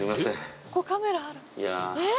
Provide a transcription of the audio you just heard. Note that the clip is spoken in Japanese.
ここカメラあるえっ！